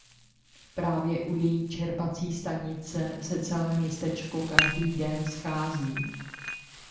Právě u její čerpací stanice se celé městečko každý den schází.